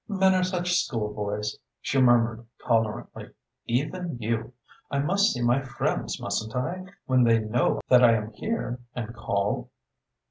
"Men are such schoolboys," she murmured tolerantly. "Even you! I must see my friends, mustn't I, when they know that I am here and call?"